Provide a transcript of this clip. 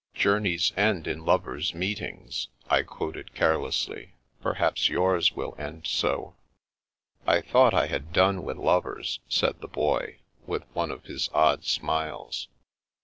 "' Journeys end in lovers' meetings,' " I quoted carelessly. " Perhaps yours will end so." " I thought I had done with lovers," said the Boy, with one of his odd smiles.